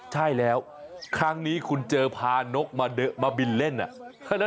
ใช่แล้วครั้งนี้คุณเจอพานกมาบินเล่นอ่ะ